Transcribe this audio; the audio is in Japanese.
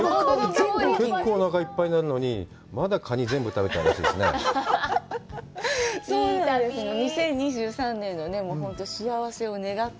結構おなかいっぱいになるのに、まだカニ全部食べたって。